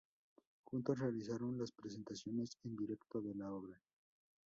Juntos realizaron las presentaciones en directo de la obra.